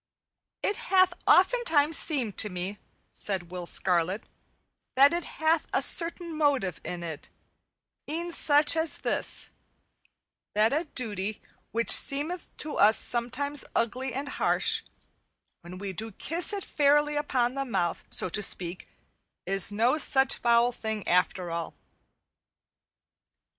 "It hath oftentimes seemed to me," said Will Scarlet, "that it hath a certain motive in it, e'en such as this: That a duty which seemeth to us sometimes ugly and harsh, when we do kiss it fairly upon the mouth, so to speak, is no such foul thing after all."